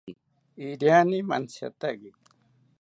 Iriani mantziataki